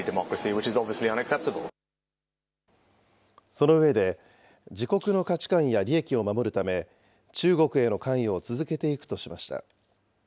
その上で、自国の価値観や利益を守るため、中国への関与を続けていくとしました。